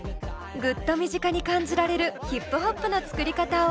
ぐっと身近に感じられるヒップホップの作り方をお届け。